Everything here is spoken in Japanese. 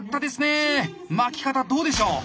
巻き方どうでしょう？